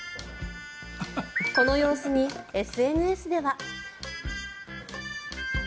この様子にＳＮＳでは。